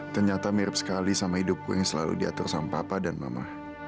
ternyata mirip sekali sama hidupku yang selalu diatur sama papa dan mama